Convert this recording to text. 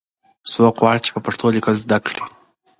څوک غواړي چې په پښتو لیکل زده کړي؟